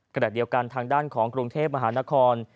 ขณะเดียวกันทางด้านของกรุงเทพมหานคร